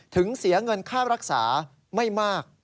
ถึงเสียเงินค่ารักษาไม่มาก